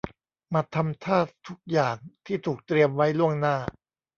มาทำท่าทุกอย่างที่ถูกเตรียมไว้ล่วงหน้า